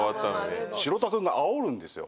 城田君があおるんですよ